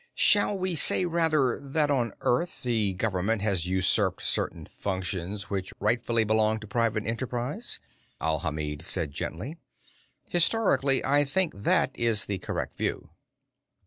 "Shall we say, rather, that on Earth the government has usurped certain functions which rightfully belong to private enterprise?" Alhamid said gently. "Historically, I think, that is the correct view."